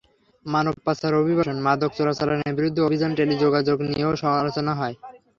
মানব পাচার, অভিবাসন, মাদক চোরাচালানের বিরুদ্ধে অভিযান, টেলিযোগাযোগ নিয়েও আলোচনা হয়।